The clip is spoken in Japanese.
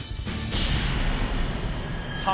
さあ